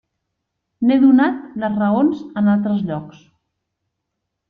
N'he donat les raons en altres llocs.